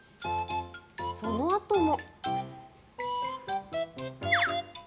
そのあとも。